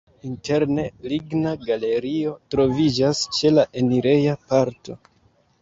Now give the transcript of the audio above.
Interne ligna galerio troviĝas ĉe la enireja parto.